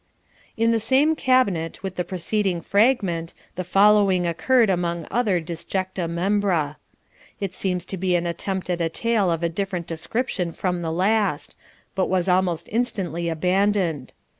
In the same cabinet with the preceding fragment, the following occurred among other disjecta membra. It seems to be an attempt at a tale of a different description from the last, but was almost instantly abandoned.